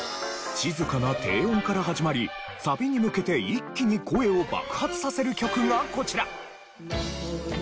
静かな低音から始まりサビに向けて一気に声を爆発させる曲がこちら。